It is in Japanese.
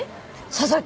「佐々木」？